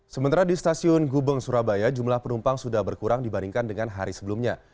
sementara di stasiun gubeng surabaya jumlah penumpang sudah berkurang dibandingkan dengan hari sebelumnya